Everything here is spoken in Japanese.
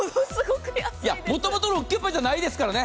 もともとロッキュッパじゃないですからね。